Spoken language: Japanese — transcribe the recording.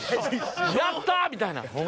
やった！みたいな。